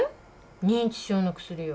認知症の薬よ。